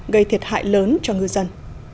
gây thiệt hại lớn cho ngư dân